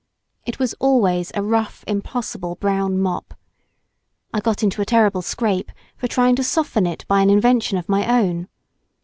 It was always a rough, impossible brown mop. I got into a terrible scrape for trying to soften it by an invention of my own.